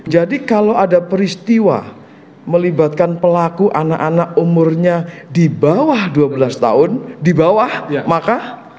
jadi kalau ada peristiwa melibatkan pelaku anak anak umurnya di bawah dua belas tahun di bawah maka